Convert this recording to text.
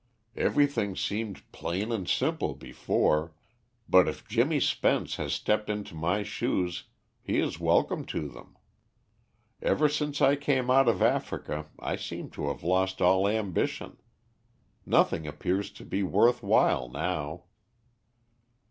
Everything seemed plain and simple before, but if Jimmy Spence has stepped into my shoes, he is welcome to them. Ever since I came out of Africa I seem to have lost all ambition. Nothing appears to be worth while now."